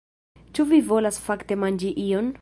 Ĉu vi volas fakte manĝi ion?